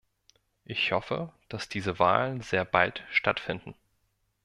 Ich hoffe, dass diese Wahlen sehr bald stattfinden.